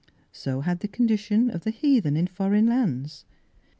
So had the condition of the heathen in foreign lands.